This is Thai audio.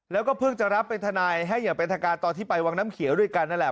แล้วก็เพิ่งจะรับเป็นทนายให้อย่างเป็นทางการตอนที่ไปวังน้ำเขียวด้วยกันนั่นแหละ